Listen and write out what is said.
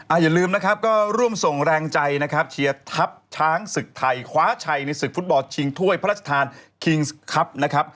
อย่าลืมนะครับก็ร่วมส่งแรงใจนะครับเชียร์ทัพช้างศึกไทยคว้าชัยในศึกฟุตบอลชิงถ้วยพระราชทานคิงส์ครับนะครับ